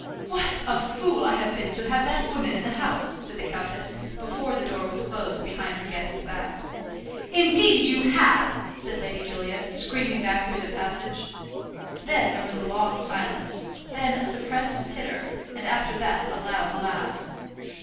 "What a fool I have been to have that woman in the house," said the countess, before the door was closed behind her guest's back. "Indeed you have," said Lady Julia, screaming back through the passage. Then there was a long silence, then a suppressed titter, and after that a loud laugh.